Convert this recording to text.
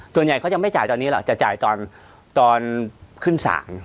ส่วนใหญ่เขายังไม่จ่ายตอนนี้หรอกจะจ่ายตอนขึ้นศาล